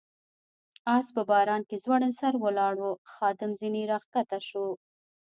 آس په باران کې ځوړند سر ولاړ و، خادم ځنې را کښته شو.